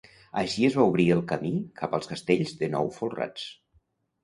Així es va obrir el camí cap als castells de nou folrats.